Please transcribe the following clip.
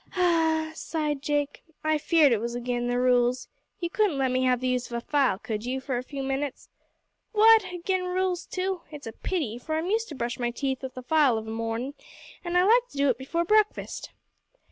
"Ah!" sighed Jake, "I feared it was agin the rules. You couldn't let me have the use of a file, could you, for a few minutes? What! agin' rules too? It's a pity, for I'm used to brush my teeth with a file of a mornin', an' I like to do it before breakfast."